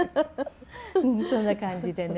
そんな感じでね。